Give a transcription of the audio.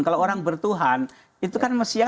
kalau orang bertuhan itu kan